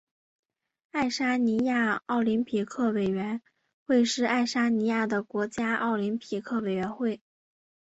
爱沙尼亚奥林匹克委员会是爱沙尼亚的国家奥林匹克委员会。